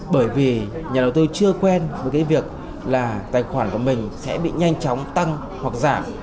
bởi vì nhà đầu tư chưa quen với cái việc là tài khoản của mình sẽ bị nhanh chóng tăng hoặc giảm